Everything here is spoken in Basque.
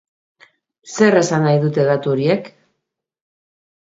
Zer esan nahi dute datu horiek?